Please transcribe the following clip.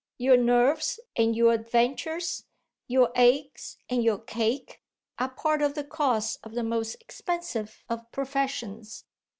Your nerves and your adventures, your eggs and your cake, are part of the cost of the most expensive of professions.